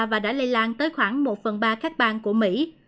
và đã lây lan tới khoảng một phần ba các bang của mỹ